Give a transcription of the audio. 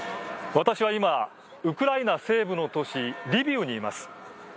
私は今ウクライナ西部の都市リビウにいます。